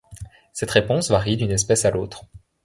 Cette réponse varie d'une espèce à l'autre.